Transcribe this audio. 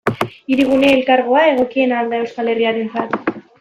Hirigune Elkargoa egokiena al da euskal herritarrentzat?